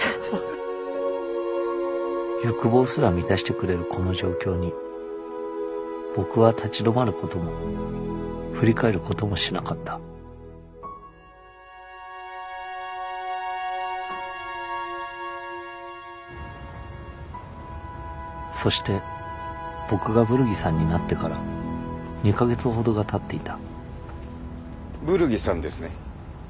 欲望すら満たしてくれるこの状況に僕は立ち止まることも振り返ることもしなかったそして僕がブルギさんになってから２か月ほどがたっていたブルギさんですね？